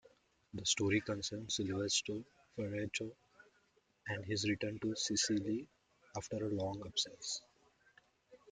The story concerns Silvestro Ferrauto and his return to Sicily after a long absence.